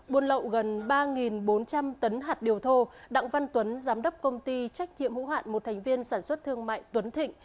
buôn lậu gần ba bốn trăm linh tấn hạt điều thô đặng văn tuấn giám đốc công ty trách nhiệm hữu hạn một thành viên sản xuất thương mại tuấn thịnh